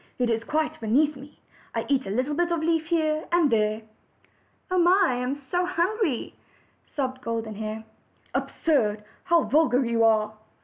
It is quite beneath me. I eat a little bit of leaf here and there." "Oh! I am so hungry!" sobbed Golden Hair. "Absurd! How vulgar you are!"